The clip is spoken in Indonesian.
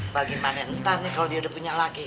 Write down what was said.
bagaimana entah nih kalau dia udah punya laki